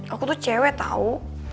aku tuh cewek tau